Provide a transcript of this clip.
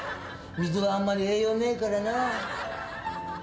水はあんまり栄養ねえからな。